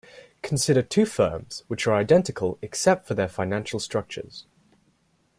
Consider two firms which are identical except for their financial structures.